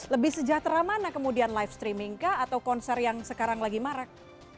lebih sejahtera mana kemudian live streaming kah atau konser yang sekarang lagi marak